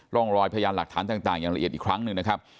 ร่องรอยพยานหลักฐานต่างอย่างละเอียดอีกครั้งหนึ่งนะครับ